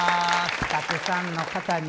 たくさんの方に。